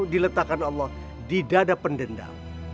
diletakkan allah di dada pendendam